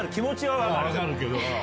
分かるけど。